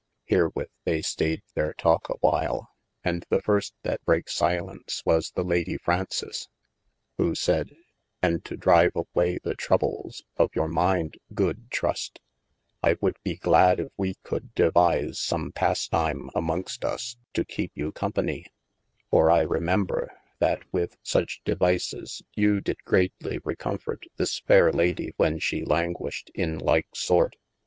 Herewith they staied their talke a while, and the first that brake silence was the Ladye Fraunces : who sayde, and to drive away ye troubles of your mind good Trust, I would be glad if we coulde devise some pastime amongst us to keepe you company : for I remember that with such devises you did greatly recomforte this fayre Lady when she languished in like sort.